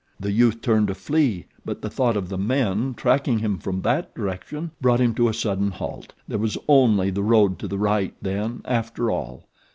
The youth turned to flee; but the thought of the men tracking him from that direction brought him to a sudden halt. There was only the road to the right, then, after all.